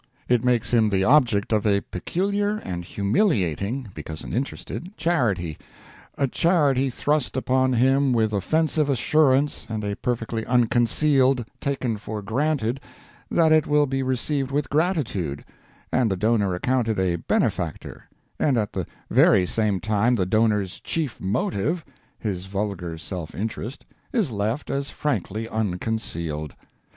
It makes him the object of a peculiar and humiliating, because an interested, charity—a charity thrust upon him with offensive assurance and a perfectly unconcealed taken for granted that it will be received with gratitude, and the donor accounted a benefactor; and at the very same time the donor's chief motive, his vulgar self interest, is left as frankly unconcealed.